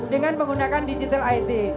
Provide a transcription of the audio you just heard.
dengan menggunakan digital it